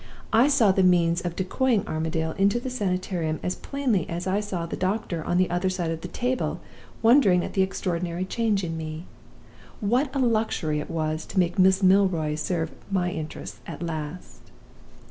I saw the means of decoying Armadale into the Sanitarium as plainly as I saw the doctor on the other side of the table, wondering at the extraordinary change in me. What a luxury it was to make Miss Milroy serve my interests at last!